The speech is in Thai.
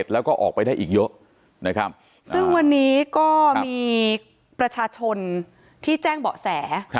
แล้วก็ออกไปได้อีกเยอะนะครับซึ่งวันนี้ก็มีประชาชนที่แจ้งเบาะแส